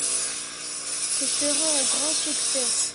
Ce sera un grand succès.